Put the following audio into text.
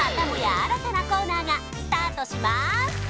新たなコーナーがスタートします！